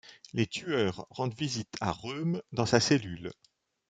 Les tueurs rendent visite à Röhm dans sa cellule.